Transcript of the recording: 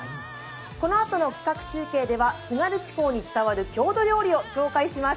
このあとの企画中継では津軽地方に伝わる郷土料理を紹介します。